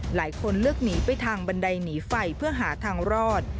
หลายคนเลือกหนีไปทางบันไดหนีไฟเพื่อหาทางรอด